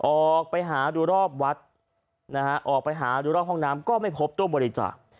ออกไปหาดูรอบวัดนะฮะออกไปหาดูรอบห้องน้ำก็ไม่พบตู้บริจาค